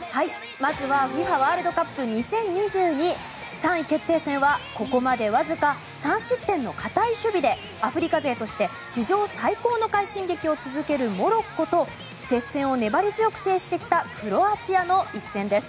まずはＦＩＦＡワールドカップ２０２２３位決定戦はここまでわずか３失点の堅い守備でアフリカ勢として史上最高の快進撃を続けるモロッコと接戦を粘り強く制してきたクロアチアの一戦です。